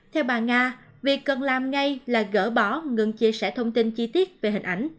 theo bà nga việc cần làm ngay là gỡ bỏ ngừng chia sẻ thông tin chi tiết về hình ảnh